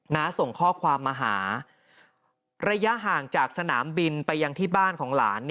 ส่งข้อความมาหาระยะห่างจากสนามบินไปยังที่บ้านของหลาน